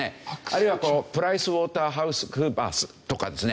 あるいはこうプライスウォーターハウスクーパースとかですね